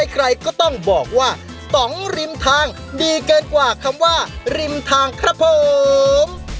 ใครก็ต้องบอกว่าต่องริมทางดีเกินกว่าคำว่าริมทางครับผม